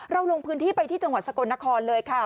ลงพื้นที่ไปที่จังหวัดสกลนครเลยค่ะ